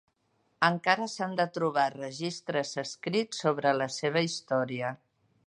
Encara s'han de trobar registres escrits sobre la seva història.